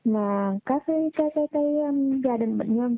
mà các gia đình bệnh nhân